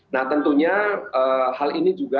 nah tentunya hal ini juga